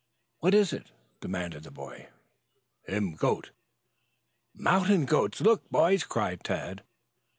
"What is it?" demanded the boy. "Him goat." "Mountain goats? Look, boys!" cried Tad.